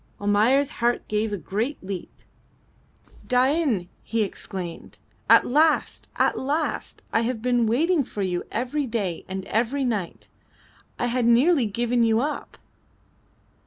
Almayer's heart gave a great leap. "Dain!" he exclaimed. "At last! at last! I have been waiting for you every day and every night. I had nearly given you up."